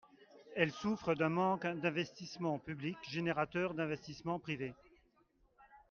Elle souffre d’un manque d’investissements publics générateurs d’investissements privés.